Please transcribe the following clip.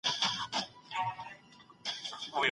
ما واورېدل چي ډاکټر اوږده پاڼه ړنګوي.